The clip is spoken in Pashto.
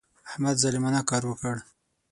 احمد ظالمانه کار وکړ.